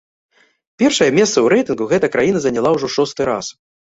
Першае месца ў рэйтынгу гэтая краіна заняла ўжо ў шосты раз.